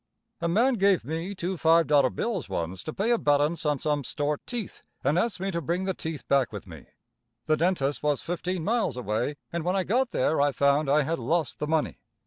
A man gave me two $5 bills once to pay a balance on some store teeth and asked me to bring the teeth back with me. The dentist was fifteen miles away and when I got there I found I had lost the money.